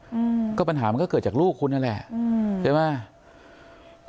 อืมก็ปัญหามันก็เกิดจากลูกคุณนั่นแหละอืมใช่ไหม